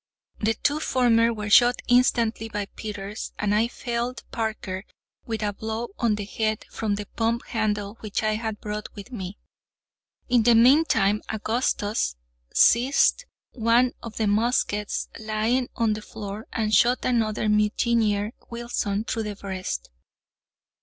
The two former were shot instantly by Peters, and I felled Parker with a blow on the head from the pump handle which I had brought with me. In the meantime, Augustus seized one of the muskets lying on the floor and shot another mutineer Wilson through the breast.